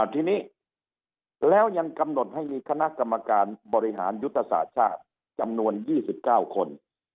ทีนี้แล้วยังกำหนดให้มีคณะกรรมการบริหารยุทธศาสตร์ชาติจำนวน๒๙คน